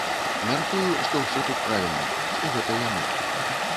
Мяркую, што ўсё тут правільна, што гэта яны.